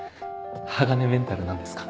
鋼メンタルなんですか？